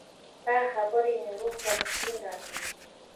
• ستا خبرې مې روح ته سکون راکوي.